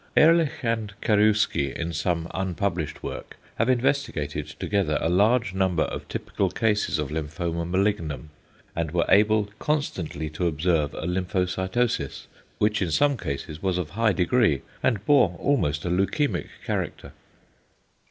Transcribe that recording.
Ehrlich and Karewski in some unpublished work have investigated together a large number of typical cases of lymphoma malignum, and were able constantly to observe a lymphocytosis, which in some cases was of high degree and bore almost a leukæmic character.